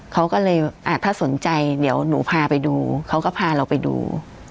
เขาก็เลยถ้าสนใจเดี๋ยวหนูพาไปดูเขาก็พาเราไปดู